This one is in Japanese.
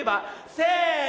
せの。